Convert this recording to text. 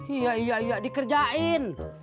iya iya iya dikerjain